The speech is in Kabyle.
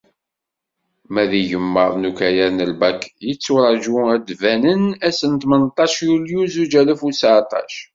Ma d igemmaḍ n ukayad n lbak, yetturaǧu ad d-bannen ass tmenṭac yulyu zuǧ alaf u seεṭac.